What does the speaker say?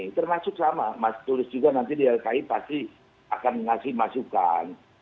termasuk sama mas tulus juga nanti di lki pasti akan ngasih masukan